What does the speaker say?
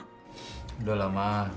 udah lah ma